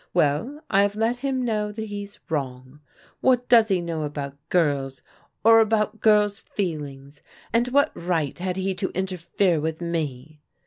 Well, I have let him know that he's wrong. What does he know about girls, or about girls' feelings? And what right had he to interfere with me?"